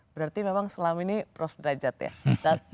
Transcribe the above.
berarti memang selama ini prof derajat ya